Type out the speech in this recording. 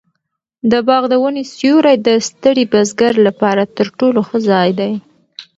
د باغ د ونو سیوری د ستړي بزګر لپاره تر ټولو ښه ځای دی.